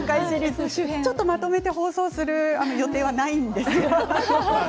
ちょっと、まとめて放送する予定はないんですが。